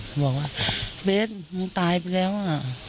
บอกว่าเบนมึงตายไปแล้วอ่ะ